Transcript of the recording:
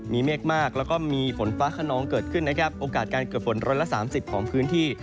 มีเมฆมากแล้วก็มีฝนฟ้าขนองเกิดขึ้นนะครับโอกาสการเกิดฝนร้อยละ๓๐ของพื้นที่